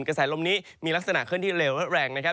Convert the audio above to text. กระแสลมนี้มีลักษณะขึ้นที่เร็วและแรงนะครับ